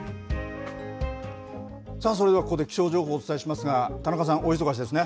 さあ、それではここで気象情報お伝えしますが田中さん、大忙しですね。